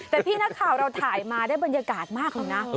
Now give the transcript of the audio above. แต่พี่นักข่าวเราถ่ายมาได้บรรยากาศมากเลยนะ